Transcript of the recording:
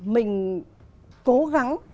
mình cố gắng